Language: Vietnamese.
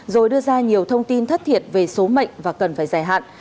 rồi đưa ra nhiều thông tin thất thiệt về số mệnh và cần phải giải hạn